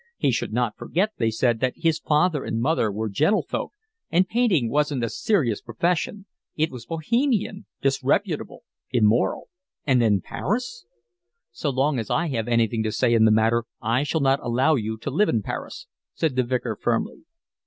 He should not forget, they said, that his father and mother were gentlefolk, and painting wasn't a serious profession; it was Bohemian, disreputable, immoral. And then Paris! "So long as I have anything to say in the matter, I shall not allow you to live in Paris," said the Vicar firmly.